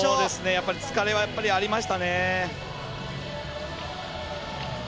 やっぱり疲れはありましたね。